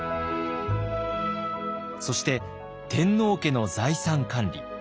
そして天皇家の財産管理。